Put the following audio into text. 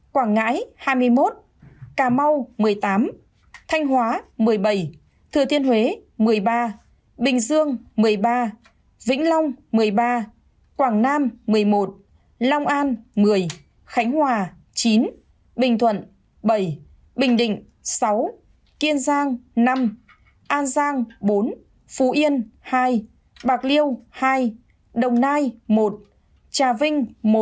quảng ngãi hai mươi một cà mau một mươi tám thanh hóa một mươi bảy thừa thiên huế một mươi ba bình dương một mươi ba vĩnh long một mươi ba quảng nam một mươi một long an một mươi khánh hòa chín bình thuận bảy bình định sáu kiên giang năm an giang bốn phú yên hai bạc liêu hai đồng nai một trà vinh một cần thơ một